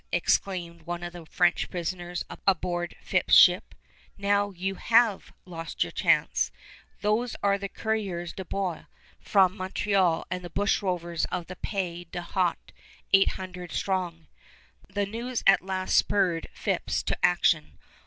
exclaimed one of the French prisoners aboard Phips' ship; "now you have lost your chance! Those are the coureurs de bois from Montreal and the bushrovers of the Pays d'en Haut, eight hundred strong." The news at last spurred Phips to action.